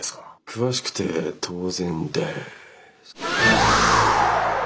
詳しくて当然です。